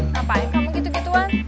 ngapain kamu gitu gituan